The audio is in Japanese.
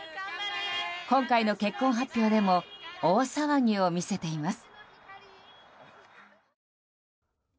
今回の結婚発表でも大騒ぎを見せています。